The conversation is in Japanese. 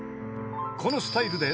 ［このスタイルで］